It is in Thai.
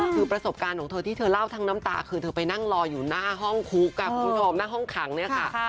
คือประสบการณ์ของเธอที่เธอเล่าทั้งน้ำตาคือเธอไปนั่งรออยู่หน้าห้องคุกคุณผู้ชมหน้าห้องขังเนี่ยค่ะ